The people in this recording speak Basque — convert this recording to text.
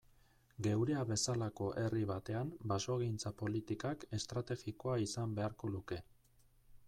Geurea bezalako herri batean basogintza politikak estrategikoa izan beharko luke.